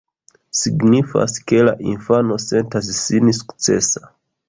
Signifas, ke la infano sentas sin sukcesa.